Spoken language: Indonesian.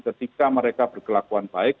ketika mereka berkelakuan baik